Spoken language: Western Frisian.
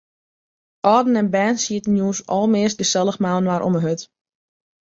Alden en bern sieten jûns almeast gesellich mei-inoar om de hurd.